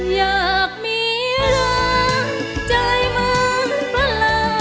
อยากมีรักใจมันพลัง